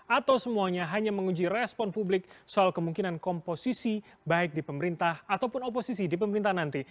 atau semuanya hanya menguji respon publik soal kemungkinan komposisi baik di pemerintah ataupun oposisi di pemerintahan nanti